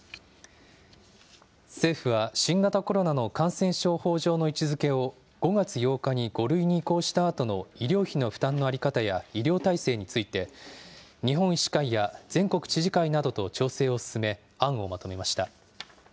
政府は新型コロナの感染症法上の位置づけを、５月８日に５類に移行したあとの、医療費の負担の在り方や医療体制について、日本医師会や全国知事会などと調整を進め、案をまとめました。